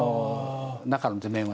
中の図面が。